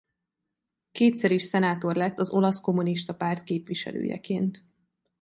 Kétszer is szenátor lett az Olasz Kommunista Párt képviselőjeként.